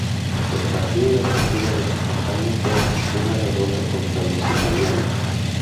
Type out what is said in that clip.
El partido de apertura de su campaña fue una derrota contra los italianos.